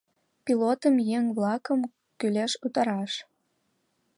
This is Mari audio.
пилотым Еҥ-влакым кӱлеш утараш.